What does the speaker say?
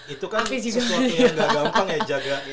itu kan sesuatu yang gak gampang ya jaga